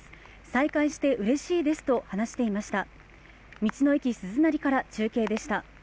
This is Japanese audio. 再開してうれしいですと話していました。